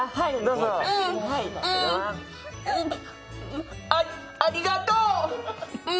うん、ありがとう！